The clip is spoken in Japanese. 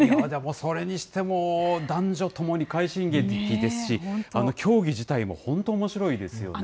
それにしても、男女ともに快進撃ですし、競技自体も本当おもしろいですよね。